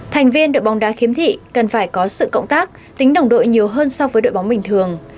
thành viên đội bóng đá khiếm thị cần phải có sự cộng tác tính đồng đội nhiều hơn so với đội bóng bình thường